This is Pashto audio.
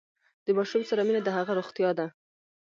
د ماشوم سره مینه د هغه روغتیا ده۔